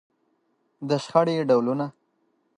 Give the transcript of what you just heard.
د شخړې ډولونه.